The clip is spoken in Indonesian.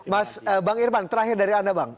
mas bang irman terakhir dari anda bang